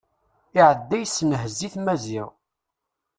Iɛedda yessenhez-it Maziɣ.